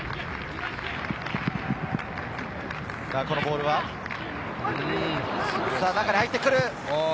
このボールは、中に入ってくる。